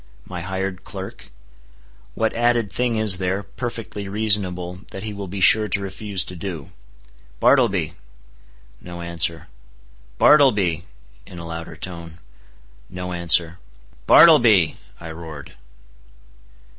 —my hired clerk? What added thing is there, perfectly reasonable, that he will be sure to refuse to do? "Bartleby!" No answer. "Bartleby," in a louder tone. No answer. "Bartleby," I roared.